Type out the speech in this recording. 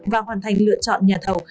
và hoàn thành lựa chọn nhà thầu